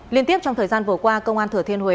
liên tiếp trong thời gian vừa qua cơ quan thừa thiên huế